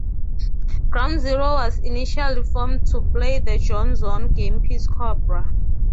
Ground-Zero was initially formed to play the John Zorn game piece Cobra.